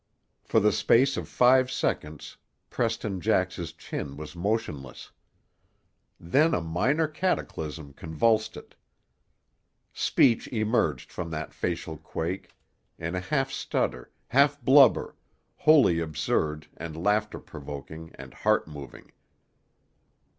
For the space of five seconds Preston Jax's chin was motionless. Then a minor cataclysm convulsed it. Speech emerged from that facial quake, in a half stutter, half blubber, wholly absurd and laughter provoking and heart moving.